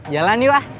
jalan yuk ah